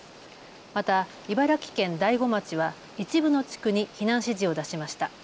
また茨城県大子町は一部の地区に避難指示を出しました。